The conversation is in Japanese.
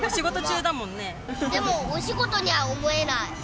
でも、お仕事には思えない。